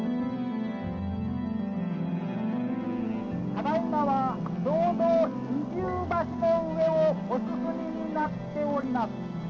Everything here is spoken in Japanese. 「ただいまはちょうど二重橋の上をお進みになっております。